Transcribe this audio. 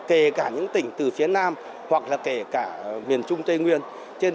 kể cả những tỉnh từ phía nam hoặc là kể cả miền trung tây nguyên